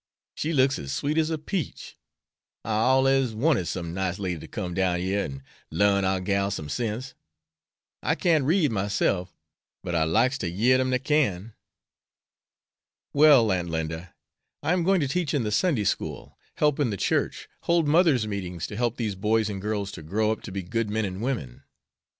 She looks as sweet as a peach. I allers wanted some nice lady to come down yere and larn our gals some sense. I can't read myself, but I likes ter yere dem dat can." "Well, Aunt Linda, I am going to teach in the Sunday school, help in the church, hold mothers' meetings to help these boys and girls to grow up to be good men and women.